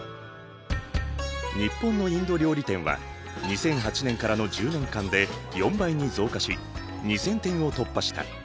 日本のインド料理店は２００８年からの１０年間で４倍に増加し２，０００店を突破した。